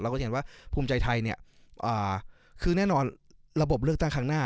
ก็จะเห็นว่าภูมิใจไทยคือแน่นอนระบบเลือกตั้งครั้งหน้า